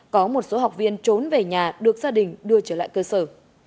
có một số học viên trốn về nhà được gia đình đưa trở lại cơ sở